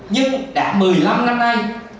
nhưng đã một mươi năm năm nay